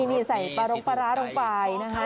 นี่ใส่ปลารงปลาร้าลงไปนะคะ